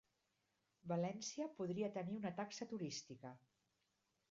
València podria tenir una taxa turística